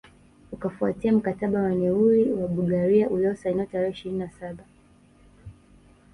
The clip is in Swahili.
Ukafuatia mkataba wa Neuilly na Bulgaria uliosainiwa tarehe ishirini na saba